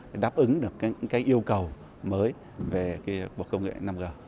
để đáp ứng được những yêu cầu mới về cuộc công nghệ năm g